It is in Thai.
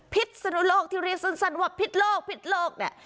พิษสนุโลกที่เรียกสนว่าพิษโลกเนี่ย